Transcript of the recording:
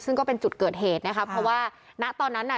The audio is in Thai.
ซึ่งก็เป็นจุดเกิดเหตุนะคะเพราะว่าณตอนนั้นน่ะ